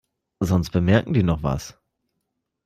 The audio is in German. Sonst bemerken die noch was.